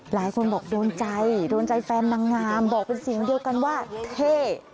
หลายคนบอกโดนใจแฟนมั่งงามบอกเป็นสิ่งเดียวกันว่าเท่